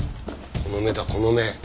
この目だこの目。